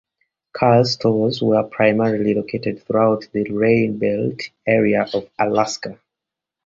Carrs stores were primarily located throughout the "Railbelt" area of Alaska.